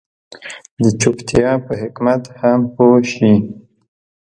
د چوپتيا په حکمت هم پوه شي.